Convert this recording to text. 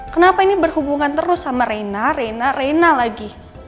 kenapa ini berhubungan terus sama reina rena reina lagi